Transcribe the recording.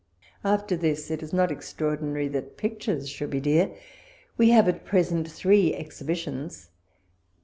After this, it is not extraordinary that pictures should be dear. We have at present three exhibitions.